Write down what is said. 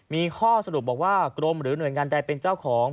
มีข้อสรุปบอกว่ากรมหรือหน่วยงานใดเป็นเจ้าของ